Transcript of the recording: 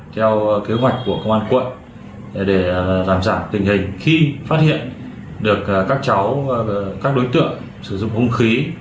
theo kế hoạch của công an quận để giảm giảm tình hình khi phát hiện được các đối tượng sử dụng hung khí